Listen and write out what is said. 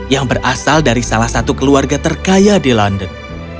yang berasal dari salah satu keluarga terkaya di london